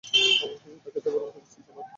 আমার কাছে তাকে দেবার মত কিছুই ছিল না।